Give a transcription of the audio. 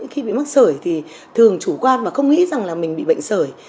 khi bị mắc sợi thì thường chủ quan và không nghĩ rằng là mình bị bệnh sợi